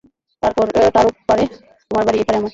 তার ও পারে তোমার বাড়ি, এ পারে আমার।